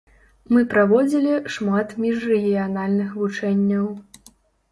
Мы праводзілі шмат міжрэгіянальных вучэнняў.